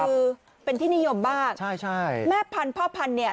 คือเป็นที่นิยมมากใช่ใช่แม่พันธุ์พ่อพันธุ์เนี่ย